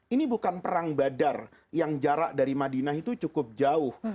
ini bukan perang badar yang jarak dari madinah itu cukup jauh